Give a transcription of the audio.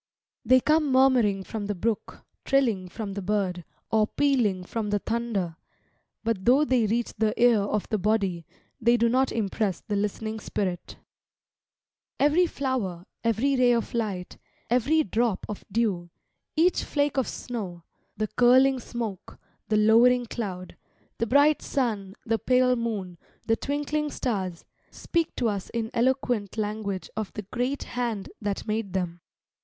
They come murmuring from the brook, trilling from the bird, or pealing from the thunder; but though they reach the ear of the body, they do not impress the listening spirit. Every flower, every ray of light, every drop of dew, each flake of snow, the curling smoke, the lowering cloud, the bright sun, the pale moon, the twinkling stars, speak to us in eloquent language of the great Hand that made them.